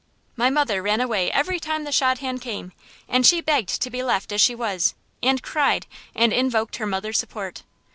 My mother ran away every time the shadchan came, and she begged to be left as she was, and cried, and invoked her mother's support.